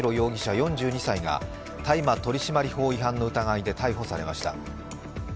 ４２歳が大麻取締法違反の疑いで逮捕されました。